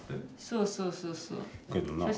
そうそうそうそう。